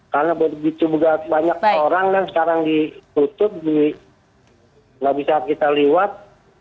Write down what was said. karena begitu banyak orang dan sekarang dikutuk nggak bisa kita liwat